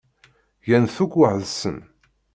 Gan-t akk weḥd-sen.